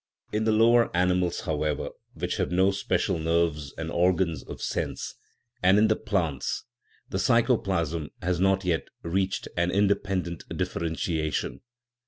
In the lower animals, however, which have no special nerves and organs of sense, and in the plants, the psychoplasm has not yet reached an independent differentiation.